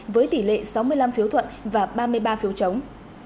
với tỷ lệ sáu mươi năm phiếu thuận và ba mươi ba phiếu chống